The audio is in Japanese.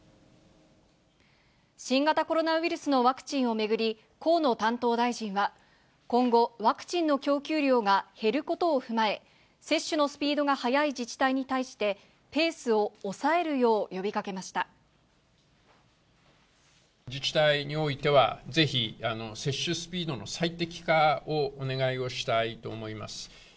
新型コロナウイルスのワクチンを巡り、河野担当大臣は、今後、ワクチンの供給量が減ることを踏まえ、接種のスピードが速い自治体に対して、ペースを抑えるよう呼びか自治体においては、ぜひ、接種スピードの最適化をお願いをしたいと思います。